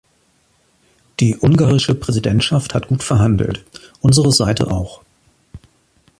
Die ungarische Präsidentschaft hat gut verhandelt, unsere Seite auch.